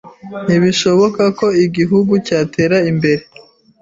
Ntibishoboka ko igihugu cyatera imbere